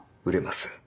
売れます。